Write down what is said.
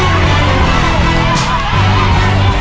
เร็วลูก